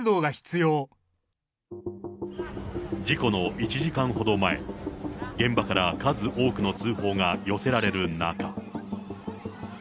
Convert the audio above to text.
事故の１時間ほど前、現場から数多くの通報が寄せられる中。